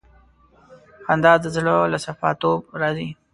خندا د زړه له صفا توب راځي.